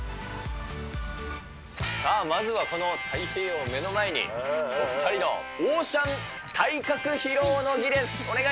さあ、まずはこの太平洋を目の前に、お２人のオーシャン体格披露の儀です。